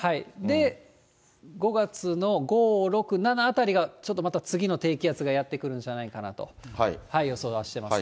５月の５、６、７あたりが、ちょっとまた次の低気圧がやってくるんじゃないかなと、予想はしてます。